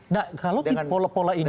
nah kalau pola pola ini